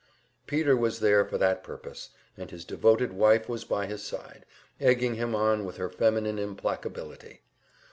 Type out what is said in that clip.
Peter was there for that purpose, and his devoted wife was by his side, egging him on with her feminine implacability.